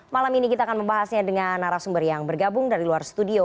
malam ini kita akan membahasnya dengan narasumber yang bergabung dari luar studio